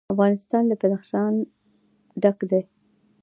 افغانستان له بدخشان ډک دی.